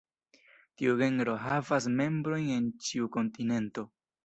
Tiu genro havas membrojn en ĉiu kontinento.